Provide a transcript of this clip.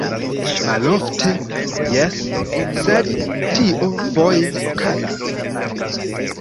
Malofte, jes, sed tio foje okazas.